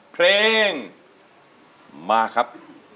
เพลงมาครับ